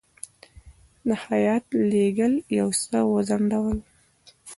د هیات لېږل یو څه وځنډول.